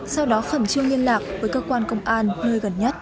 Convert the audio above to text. sau đó khẩn trương liên lạc với cơ quan công an nơi gần nhất